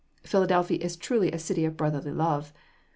Philadelphia is truly a city of "brotherly love."